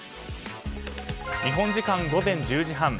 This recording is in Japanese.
日本時間午前１０時半。